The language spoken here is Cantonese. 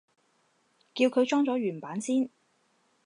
叫佢裝咗原版先